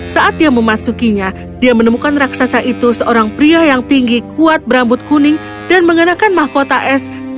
saat dia memasukinya dia menemukan raksasa itu seorang pria yang tinggi kuat berambut kuning dan mengenakan mahkota es